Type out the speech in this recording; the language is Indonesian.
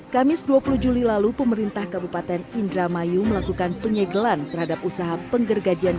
kamis dua puluh juli lalu pemerintah kabupaten indramayu melakukan penyegelan terhadap usaha penggergajian